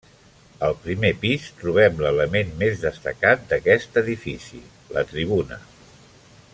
Al primer pis trobem l'element més destacat d'aquest edifici, la tribuna.